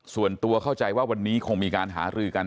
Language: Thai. ส่วนตัวเข้าใจว่าวันนี้คงมีการหารือกัน